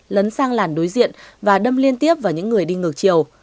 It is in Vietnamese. lấn sang làn đối diện và đâm liên tiếp vào những người đi ngược chiều